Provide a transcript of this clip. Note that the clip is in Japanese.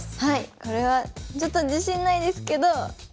これはちょっと自信ないですけど３で。